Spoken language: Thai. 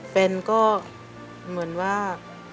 แฟนก็เหมือนว่า